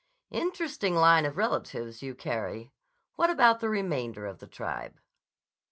"Interesting line of relatives you carry. What about the remainder of the tribe?"